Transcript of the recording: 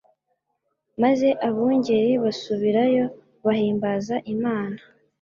Maze abungeri basubirayo bahimbaza Imana.